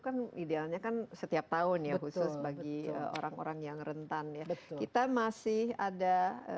kan idealnya kan setiap tahun ya khusus bagi orang orang yang rentan ya kita masih ada